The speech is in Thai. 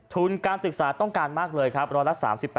ทุนการศึกษาต้องการมากเลยครับร้อยละ๓๘